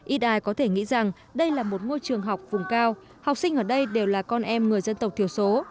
y đài có thể nghĩ rằng đây là một ngôi trường học vùng cao học sinh ở đây đều là con em người dân tộc thiểu số